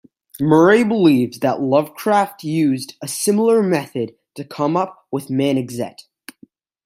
Murray believes that Lovecraft used a similar method to come up with "Manuxet".